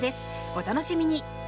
お楽しみに！